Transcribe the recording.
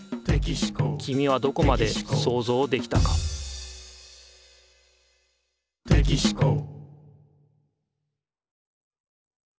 きみはどこまでそうぞうできたかその名も。テキシＱ。